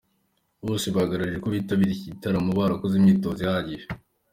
Bose bagaragaje ko bitabiriye iki gitaramo barakoze imyitozo ihagije.